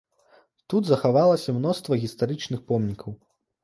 Тут захавалася мноства гістарычных помнікаў.